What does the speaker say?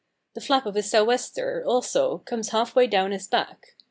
The flap of his sou' wester, also, comes half way down his back.